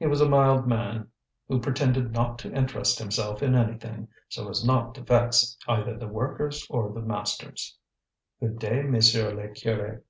He was a mild man who pretended not to interest himself in anything, so as not to vex either the workers or the masters. "Good day, Monsieur le Curé."